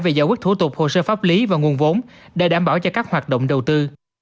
về giải quyết thủ tục hồ sơ pháp lý và nguồn vốn để đảm bảo cho các hoạt động đầu tư